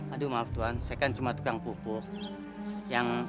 aduh maaf tuhan saya kan cuma tukang pupuk